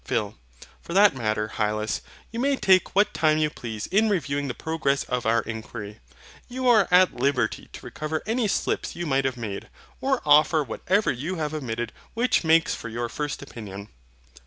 PHIL. For that matter, Hylas, you may take what time you please in reviewing the progress of our inquiry. You are at liberty to recover any slips you might have made, or offer whatever you have omitted which makes for your first opinion.